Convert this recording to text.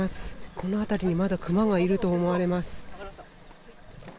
この辺りにまだクマがいると思われます。